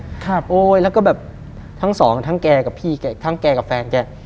โอ๊ยแล้วก็แบบทั้งสองทั้งแกกับพี่แกทั้งแกกับแฟนแก